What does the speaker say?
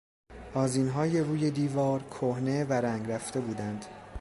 آذینهای روی دیوار کهنه و رنگ رفته بودند.